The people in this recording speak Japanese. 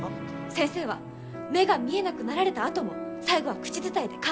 先生は目が見えなくなられたあとも最後は口伝えで完結させたんです！